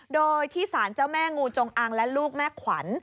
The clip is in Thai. โดยที่สารเจ้าแม่งูจงอังและลูกแม่ขวัญ